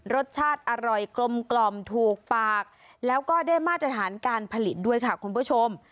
รสชาติอร่อยกลมกล่อมถูกปากแล้วก็ได้มาตรฐานการผลิตด้วยค่ะคุณผู้ชม